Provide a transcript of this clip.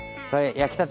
焼きたて。